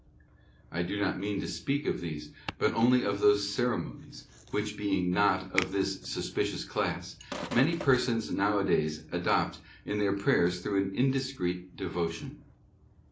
I donot mean to speak of these, but only of those ceremonies, which being not of this suspicious class, many persons nowadays adopt in their prayers through an indiscrete devotion.